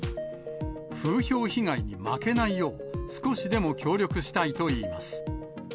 風評被害に負けないよう、少しでも協力したいといいます。